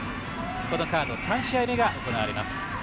このカード、３試合目が行われます。